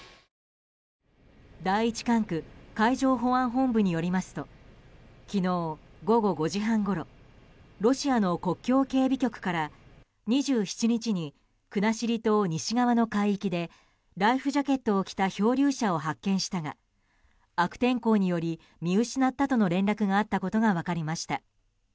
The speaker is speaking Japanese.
第１管区海上保安本部によりますと昨日午後５時半ごろロシアの国境警備局から２７日に、国後島西側の海域でライフジャケットを着た漂流者を発見したが悪天候により見失ったとの連絡があったことが分かりました。